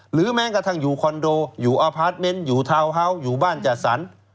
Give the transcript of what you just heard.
แม้กระทั่งอยู่คอนโดอยู่อพาร์ทเมนต์อยู่ทาวน์ฮาส์อยู่บ้านจัดสรร